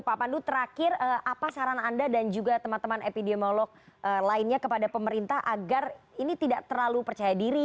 pak pandu terakhir apa saran anda dan juga teman teman epidemiolog lainnya kepada pemerintah agar ini tidak terlalu percaya diri